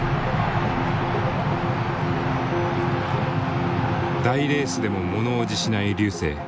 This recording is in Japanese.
大レースでも物おじしない瑠星。